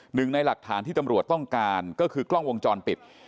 หนึ่งในหลักฐานที่ตำรวจต้องการก็คือกล้องวงจรปิด